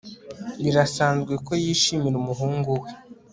Birasanzwe ko yishimira umuhungu we